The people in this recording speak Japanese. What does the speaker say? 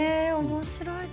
面白い。